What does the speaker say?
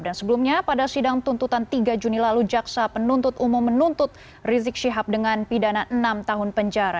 dan sebelumnya pada sidang tuntutan tiga juni lalu jaksa penuntut umum menuntut rizik syihab dengan pidana enam tahun penjara